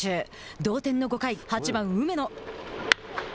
同点の５回８番梅野。